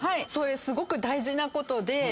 それすごく大事なことで。